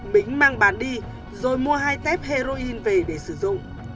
bính mang bán đi rồi mua hai tép heroin về để sử dụng